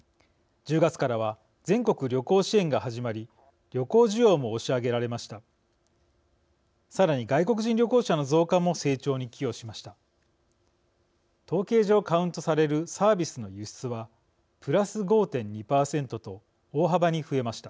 １０月からは全国旅行支援が始まり旅行需要も押し上げられました。